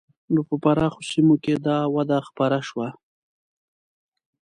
نو په پراخو سیمو کې دا وده خپره شوه.